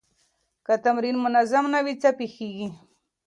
که تمرین منظم نه وي، څه پېښېږي؟